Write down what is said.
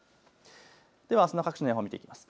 ではあすの各地の予報を見ていきます。